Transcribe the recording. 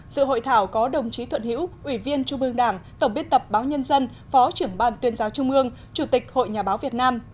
dự hội thảo có đồng chí thuận hiễu ủy viên trung ương đảng tổng biên tập báo nhân dân phó trưởng ban tuyên giáo trung ương chủ tịch hội nhà báo việt nam